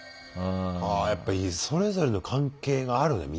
あやっぱそれぞれの関係があるねみんなね。